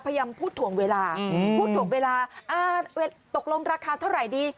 พยายามพูดถ่วงเวลาพูดถ่วงเวลาตกลงราคาเท่าไหร่ดี